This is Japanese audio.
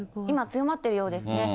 今、強まっているようですね。